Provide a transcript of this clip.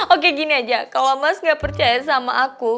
oke gini aja kalau mas gak percaya sama aku